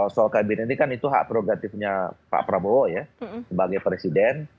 soal kabinet ini kan itu hak prerogatifnya pak prabowo ya sebagai presiden